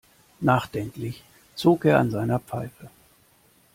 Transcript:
Nachdenklich zog er an seiner Pfeife.